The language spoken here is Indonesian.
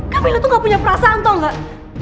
kamila tuh nggak punya perasaan tau nggak